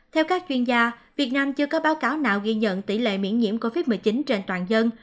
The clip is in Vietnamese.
theo các chuyên gia việt nam chưa có báo cáo nào ghi nhận tỷ lệ nhiễm covid một mươi chín trên toàn dân